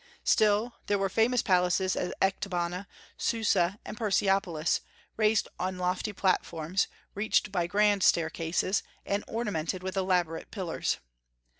Still, there were famous palaces at Ecbatana, Susa, and Persepolis, raised on lofty platforms, reached by grand staircases, and ornamented with elaborate pillars.